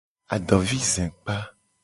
Adovizekpa.